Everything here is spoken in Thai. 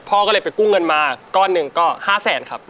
พ่อก็เลยไปกู้เงินมาก้อนหนึ่งก็๕แสนครับ